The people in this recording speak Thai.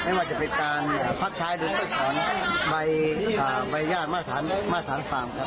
ไม่ว่าจะเป็นการอ่าภาคใช้หรือกฏ่อน